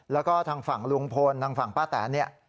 แล้วก็ทางฝั่งลุงพลทางฝั่งป้าแตนเนี่ย